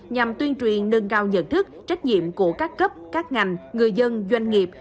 nhằm tuyên truyền nâng cao nhận thức trách nhiệm của các cấp các ngành người dân doanh nghiệp